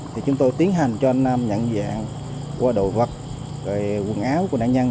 thì chúng tôi tiến hành cho anh nam nhận dạng qua đồ vật quần áo của nạn nhân